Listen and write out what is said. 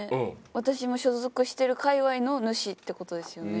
私も所属してる界隈の主ってことですよね